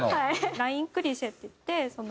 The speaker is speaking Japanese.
ラインクリシェっていってその。